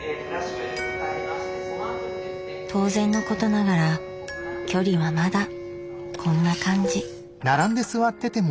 当然のことながら距離はまだこんな感じ。